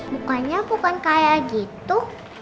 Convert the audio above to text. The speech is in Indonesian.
bukannya bukan kayak gitu